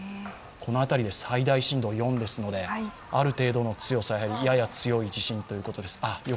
この辺りで最大震度４ですのである程度の強さやや強い地震ということです。